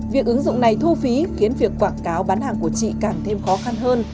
việc ứng dụng này thu phí khiến việc quảng cáo bán hàng của chị càng thêm khó khăn hơn